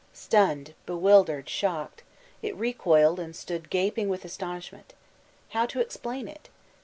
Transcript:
Stunned, bewildered, shocked, it recoiled and stood gaping with astonishment. How to explain it?